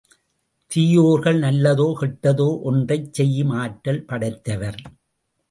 தீயோர்கள், நல்லதோ கெட்டதோ ஒன்றைச் செய்யும் ஆற்றுல் படைத்தவர்.